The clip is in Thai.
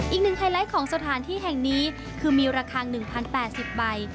ไฮไลท์ของสถานที่แห่งนี้คือมีราคา๑๐๘๐ใบ